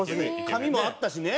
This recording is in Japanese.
髪もあったしね。